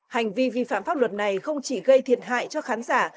hành vi vi phạm pháp luật này không chỉ gây thiệt hại cho khán giả